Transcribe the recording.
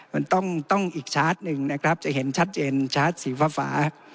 มันต้องอีกชาร์จหนึ่งนะครับจะเห็นชัดเจนชาร์จสีฟ้า